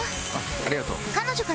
ありがとう。